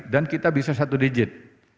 dan kita bisa satu digit